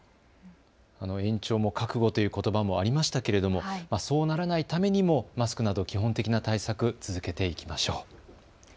延長も覚悟ということばもありましたけれども、そうならないためにもマスクなど基本的な対策、続けていきましょう。